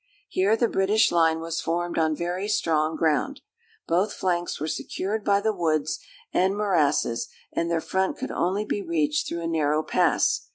Here the British line was formed on very strong ground. Both flanks were secured by the woods and morasses, and their front could only be reached through a narrow pass.